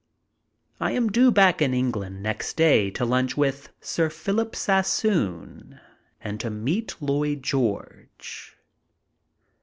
I am due back in England next day to lunch with Sir Philip Sassoon and to meet Llpyd George.